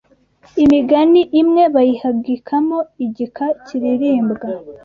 Imigani imwe bayihagikamo igika kiririmbwa